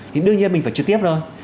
thì đương nhiên mình phải trực tiếp thôi